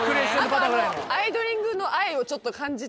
あとアイドリング！！！の愛をちょっと感じて。